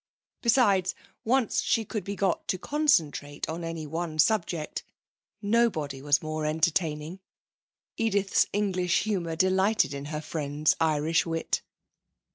Besides, once she could be got to concentrate on any one subject, nobody was more entertaining. Edith's English humour delighted in her friend's Irish wit.